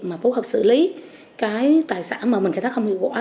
mà phối hợp xử lý cái tài sản mà mình khai thác không hiệu quả